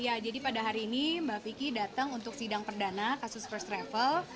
ya jadi pada hari ini mbak vicky datang untuk sidang perdana kasus first travel